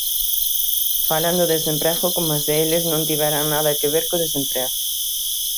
Falan do desemprego coma se eles non tiveran nada que ver co desemprego.